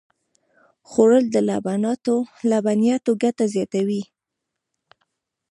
خوړل د لبنیاتو ګټه زیاتوي